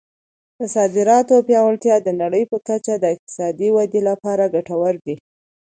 د صادراتو پیاوړتیا د نړۍ په کچه د اقتصادي ودې لپاره ګټور دی.